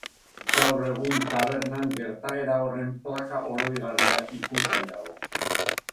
Gaur egun tabernan gertaera horren plaka-oroigarria ikusgai dago.